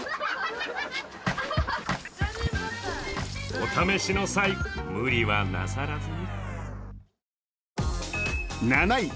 お試しの際、無理はなさらずに。